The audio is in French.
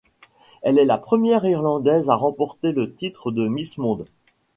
Elle est la première irlandaise à remporter le titre de Miss Monde.